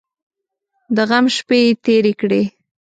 د غم شپې یې تېرې کړې.